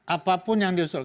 apapun yang diusulkan